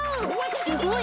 すごい！